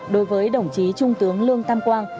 đối với đồng chí trung tướng lương tam quang